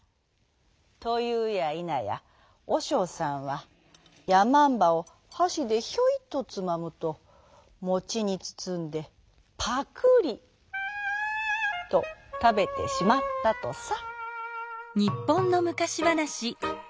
というやいなやおしょうさんはやまんばをはしでヒョイとつまむともちにつつんでパクリとたべてしまったとさ。